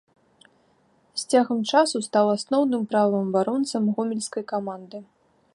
З цягам часу стаў асноўным правым абаронцам гомельскай каманды.